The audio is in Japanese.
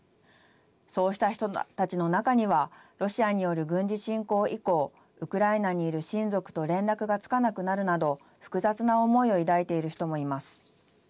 そうした人たちの中にはロシアによる軍事侵攻以降ウクライナにいる親族と連絡がつかなくなるなど複雑な思いを抱いている人もいます。